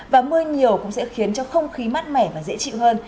và mưa nhiều cũng sẽ khiến cho không khí mát mẻ và dễ chịu hơn